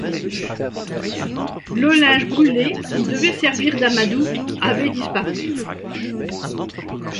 Le linge brûlé, qui devait servir d’amadou, avait disparu.